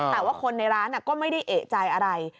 แต่ว่าคนในร้านก็ไม่ได้เอกใจอะไร